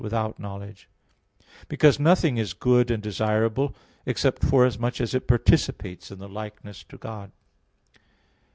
without knowledge; because nothing is good and desirable except forasmuch as it participates in the likeness to God.